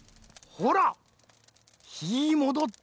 ほらひもどった。